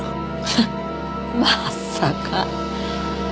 ハッまさか。